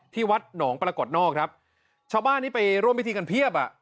ที่วัดหนองปรากฏนอกครับชาวบ้านที่ไปร่วมพิธีกันเพียบอ่ะ